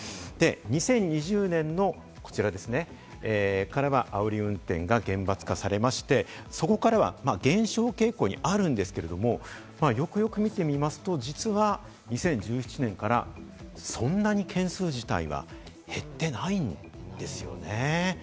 ２０２０年のこちらからはあおり運転が厳罰化されまして、そこからは減少傾向にあるんですけれども、よくよく見てみますと実は２０１７年からそんなに件数自体は減ってないんですよね。